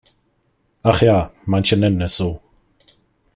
Ach ja, manche nennen es so.